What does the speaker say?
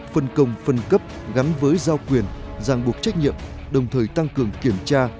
phân công phân cấp gắn với giao quyền giang buộc trách nhiệm đồng thời tăng cường kiểm tra